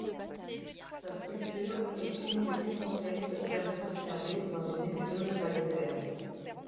Sa structure est une des plus complexes jamais observées dans une nébuleuse planétaire.